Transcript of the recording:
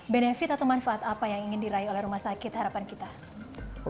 benefit atau manfaat apa yang ingin diraih oleh rumah sakit harapan kita